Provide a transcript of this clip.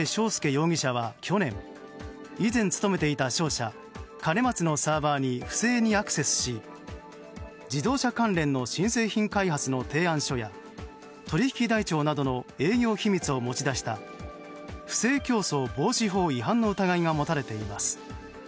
容疑者は去年以前勤めていた商社、兼松のサーバーに不正にアクセスし自動車関連の新製品開発の提案書や取引台帳などの営業秘密を持ち出した不正競争防止法違反の疑いが持たれています。